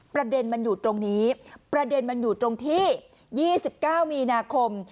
ประเด็นมันอยู่ตรงนี้ประเด็นมันอยู่ตรงที่๒๙มีนาคม